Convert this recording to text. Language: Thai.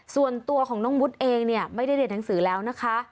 ส่วนตัวของน้องวุฒิเองเนี่ยไม่ได้เรียนหนังสือแล้วนะคะ